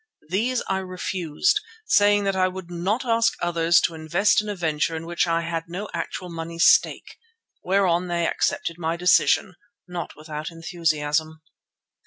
These I refused, saying that I would not ask others to invest in a venture in which I had no actual money stake; whereon they accepted my decision, not without enthusiasm.